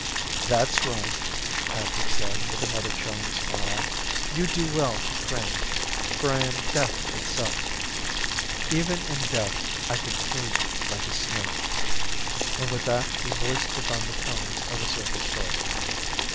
"That's right," Patrick said with another chilling smile. "You do well to cringe, for I'm death itself. Even in death I could kill you, like a snake." And with that his voice took on the tones of a circus barker.